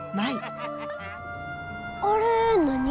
あれ何？